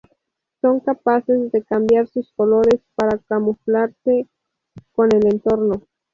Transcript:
Son capaces de cambiar sus colores para camuflarse con el entorno.